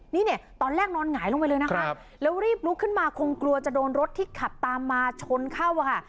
นี่เนี่ยตอนแรกนอนหงายลงไปเลยนะคะแล้วรีบลุกขึ้นมาคงกลัวจะโดนรถที่ขับตามมาชนเข้าอะค่ะ